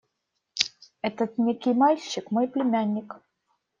– Этот некий мальчик – мой племянник.